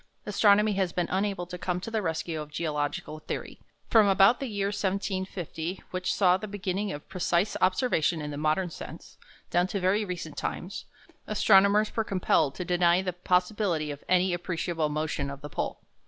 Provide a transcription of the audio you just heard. Astronomy has been unable to come to the rescue of geological theory. From about the year 1750, which saw the beginning of precise observation in the modern sense, down to very recent times, astronomers were compelled to deny the possibility of any appreciable motion of the pole.